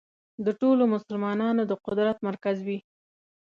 د ټولو مسلمانانو د قدرت مرکز وي.